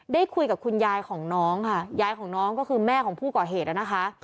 ได้คุยกับคุณยายของน้องค่ะยายของน้องก็คือแม่ของผู้ก่อเหตุนะคะ